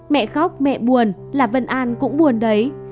mẹ khóc mẹ buồn là vân an cũng buồn đấy